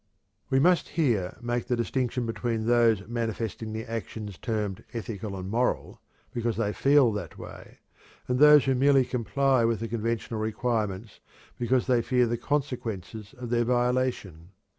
We must here make the distinction between those manifesting the actions termed ethical and moral because they feel that way, and those who merely comply with the conventional requirements because they fear the consequences of their violation.